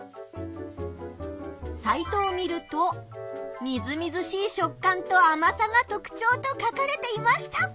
サイトを見ると「みずみずしい食感と甘さが特徴」と書かれていました。